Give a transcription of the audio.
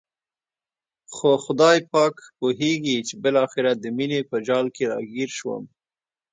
خو خدای پاک پوهېږي چې بالاخره د مینې په جال کې را ګیر شوم.